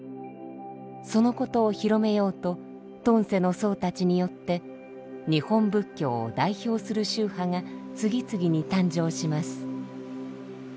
そのことを広めようと遁世の僧たちによって日本仏教を代表する宗派が次々に誕生します。